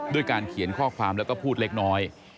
ด้วยการเขียนข้อความแล้วก็พูดเล็กน้อย